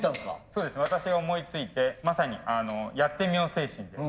そうです私が思いついてまさにやってみよう精神で。